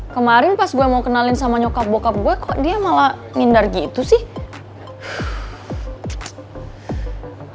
kemarin pas gue mau kenalin sama nyokap bokap gue kok dia malah ngindar gitu sih